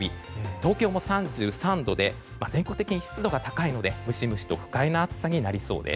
東京も３３度で全国的に湿度が高いのでムシムシと不快な暑さになりそうです。